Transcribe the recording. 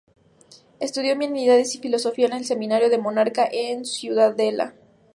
Estudió humanidades y filosofía en el seminario de Menorca en Ciudadela.